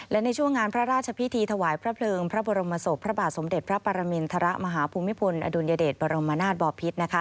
และในช่วงงานพระราชพิธีถวายพระเพลิงพระบรมศพพระบาทสมเด็จพระปรมินทรมาฮภูมิพลอดุลยเดชบรมนาศบอพิษ